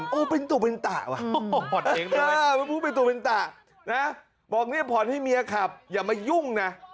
อย่าทำง่ายอาชัยบอกผมเฮ้ยพ่อนให้เมียขับอย่ามายุ่งนะ